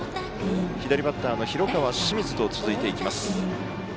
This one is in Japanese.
左バッターの広川、清水と続いていきます。